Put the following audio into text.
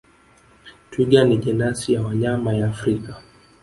Twiga ni jenasi ya wanyama ya Afrika